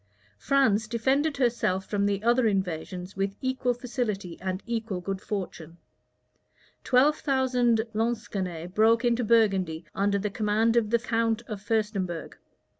France defended herself from the other invasions with equal facility and equal good fortune. Twelve thousand Lansquenets broke into Burgundy under the command of the count of Furstenberg.